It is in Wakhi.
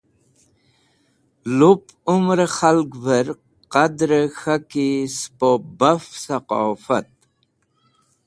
Lup Umre Khalgver Qadrẽ K̃haki spo baf saqofat